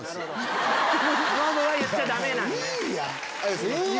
ノブは言っちゃダメなのね。